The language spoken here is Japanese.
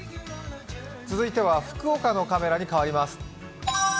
続いては福岡のカメラに変わります。